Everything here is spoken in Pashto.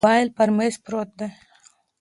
موبایل پر مېز پروت دی.